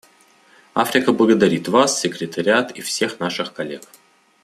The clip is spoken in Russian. Африка благодарит Вас, Секретариат и всех наших коллег.